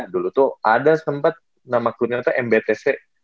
dulu tuh ada sempet nama klubnya itu mbtc